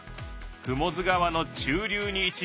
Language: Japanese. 雲出川の中流に位置している。